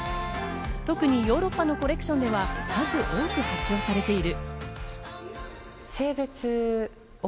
特にヨーロッパのコレクションでは数多く発表されている。